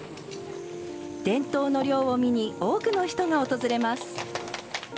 伝統の漁を見に多くの人が訪れます。